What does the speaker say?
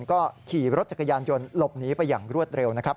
ก็ขี่รถจักรยานยนต์หลบหนีไปอย่างรวดเร็วนะครับ